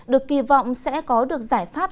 được kỳ vọng sẽ có được giải pháp